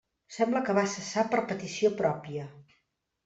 Sembla que va cessar per petició pròpia.